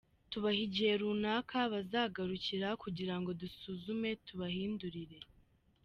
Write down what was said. Tubaha igihe runaka bazagarukira kugirango dusuzume tubahindurire.